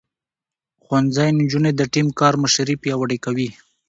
ښوونځی نجونې د ټيم کار مشري پياوړې کوي.